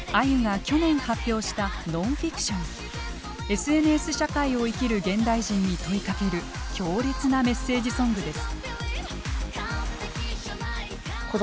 ＳＮＳ社会を生きる現代人に問いかける強烈なメッセージソングです。